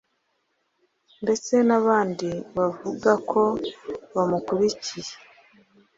ndetse n’abandi bavuga ko bamukurikiye,